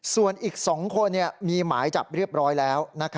ส่วนอีก๒คนมีหมายจับเรียบร้อยแล้ว